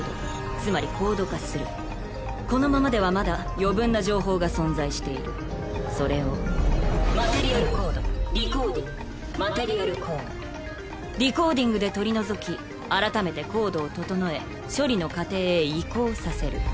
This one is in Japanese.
つまりコード化するこのままではまだ余分な情報が存在しているそれをマテリアルコードディコーディングマテリアルコードディコーディングで取り除き改めてコードを整え処理の過程へ移行させる